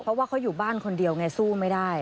เพราะว่าเขาอยู่บ้านคนเดียวไงสู้ไม่ได้